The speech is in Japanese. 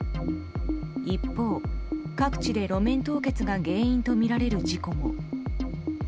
一方、各地で路面凍結が原因とみられる事故も。